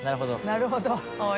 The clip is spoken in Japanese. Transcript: なるほど